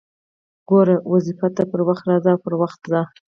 ګوره! واظيفې ته پر وخت راځه او پر وخت ځه!